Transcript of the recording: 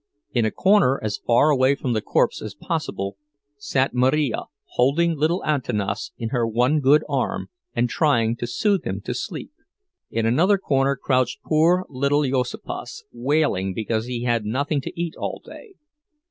In a corner, as far away from the corpse as possible, sat Marija, holding little Antanas in her one good arm and trying to soothe him to sleep. In another corner crouched poor little Juozapas, wailing because he had had nothing to eat all day.